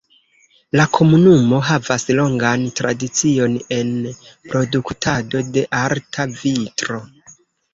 La komunumo havas longan tradicion en produktado de arta vitro.